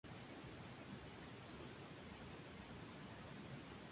Podía recibir cargas, pasajeros y encomiendas.